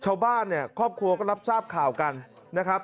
ชาวบ้านเนี่ยครอบครัวก็รับทราบข่าวกันนะครับ